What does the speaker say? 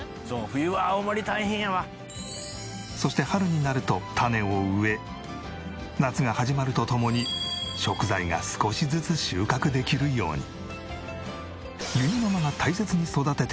「冬は青森大変やわ」そして春になると種を植え夏が始まるとともに食材が少しずつ収穫できるように。